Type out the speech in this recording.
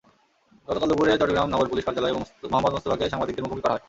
গতকাল দুপুরে চট্টগ্রাম নগর পুলিশ কার্যালয়ে মোহাম্মদ মোস্তফাকে সাংবাদিকদের মুখোমুখি করা হয়।